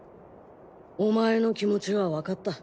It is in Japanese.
お前の気持ちはわかった。